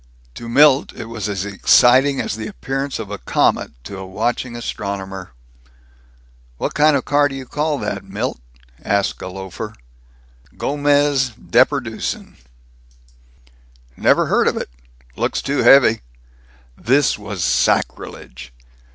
To Milt it was as exciting as the appearance of a comet to a watching astronomer. "What kind of a car do you call that, Milt?" asked a loafer. "Gomez Deperdussin." "Never heard of it. Looks too heavy." This was sacrilege.